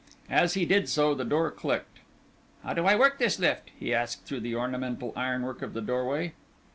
As he did so the door clicked. "How do I work this lift?" he asked through the ornamental ironwork of the doorway.